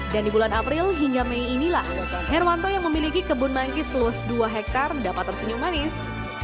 dan di bulan april hingga mei inilah herwanto yang memiliki kebun manggis seluas dua hektare dapat tersenyum manis